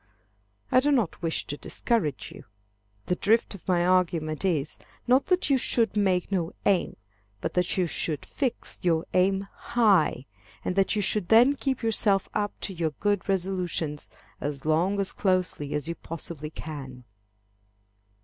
I do not wish to discourage you. The drift of my argument is, not that you should make no aim, but that you should fix your aim high, and that you should then keep yourself up to your good resolutions, as long and as closely as you possibly can.